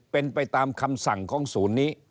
เป็นไปตามคำสั่งของศูนย์นี้